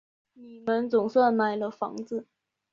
你们总算买了房子